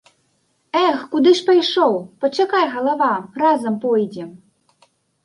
Эх, куды ж пайшоў, пачакай, галава, разам пойдзем.